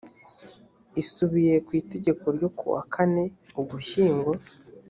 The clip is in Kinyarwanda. isubiye ku itegeko ryo ku wa kane ugushyingo